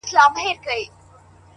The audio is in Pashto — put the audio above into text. ستا د بنگړو مست شرنگهار وچاته څه وركوي”